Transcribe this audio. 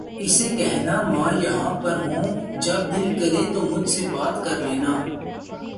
اسے کہنا ماں یہاں پر ہوں جب دل کرے تو مجھ سے بات کر لینا